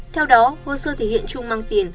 theo đó hồ sơ thể hiện trung mang tiền